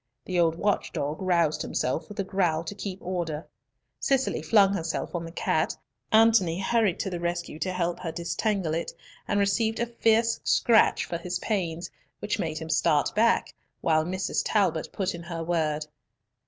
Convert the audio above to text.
The old watch dog roused himself with a growl to keep order. Cicely flung herself on the cat, Antony hurried to the rescue to help her disentangle it, and received a fierce scratch for his pains, which made him start back, while Mrs. Talbot put in her word.